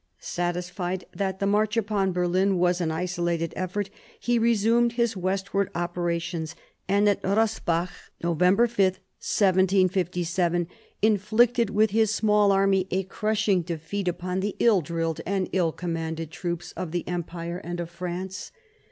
Satisfied that the march upon Berlin was an isolated effort, he resumed his western operations and at Rossbach 1757 60 THE SEVEN YEARS* WAB 141 (Not. 5, 1757) inflicted with his small army a crashing defeat upon the ill drilled and ill commanded troops of the Empire and of France.